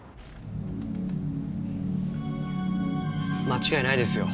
間違いないですよ。